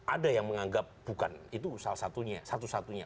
ada yang menganggap bukan itu salah satunya satu satunya